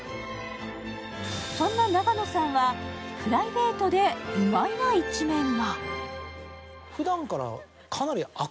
そんな永野さんはプライベートで意外な一面が。